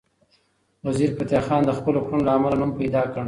وزیرفتح خان د خپلو کړنو له امله نوم پیدا کړ.